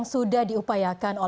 dari daftar formularium nasional